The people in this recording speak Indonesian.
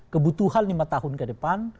kebutuhan lima tahun ke depan